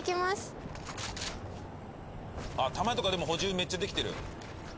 あっ弾とかでも補充めっちゃできてる。